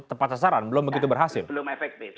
tepat sasaran belum begitu berhasil belum efektif